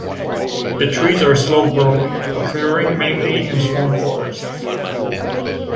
The trees are slow-growing, occurring mainly in swamp forests.